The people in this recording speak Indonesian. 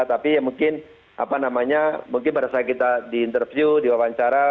tapi mungkin pada saat kita diinterview diwawancara